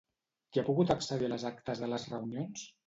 Qui ha pogut accedir a les actes de les reunions?